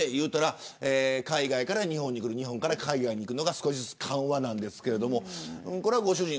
海外から日本に来る日本から海外に行くのが少しずつ緩和なんですけどこれは、ご主人